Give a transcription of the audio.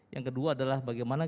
yang kedua adalah bagaimana